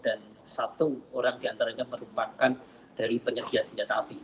dan satu orang diantaranya merupakan penyedia senjata api